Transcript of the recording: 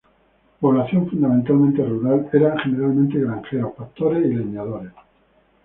Población fundamentalmente rural, eran generalmente granjeros, pastores y leñadores.